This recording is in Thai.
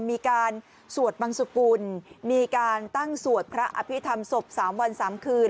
มีการสวดบังสุกุลมีการตั้งสวดพระอภิษฐรรมศพ๓วัน๓คืน